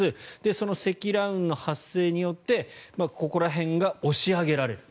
その積乱雲の発生によってここら辺が押し上げられる。